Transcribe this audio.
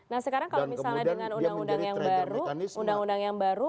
nah sekarang kalau misalnya dengan undang undang yang baru